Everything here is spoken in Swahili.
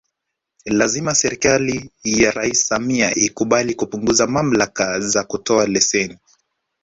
Lazima serikali ya Rais Samia ikubali kupunguza mamlaka za kutoa leseni